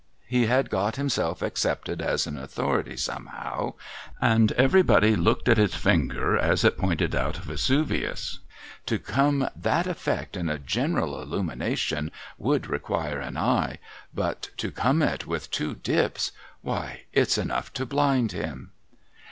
He had got himself accepted as an authority, some how, and everybody looked at his finger as it pointed out Vesuvius. ' To come that effect in a general illumination would require a eye ; but to come it with two dips — why, it's enough to blind him